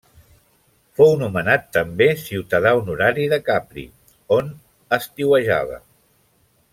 Fou nomenat també ciutadà honorari de Capri, on estiuejava.